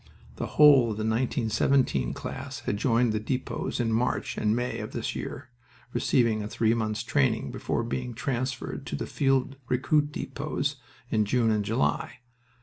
The whole of the 1917 class had joined the depots in March and May of this year, receiving a three months' training before being transferred to the field recruit depots in June and July.